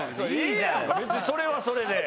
別にそれはそれで。